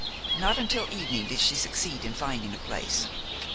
Not until evening did she succeed in finding a place.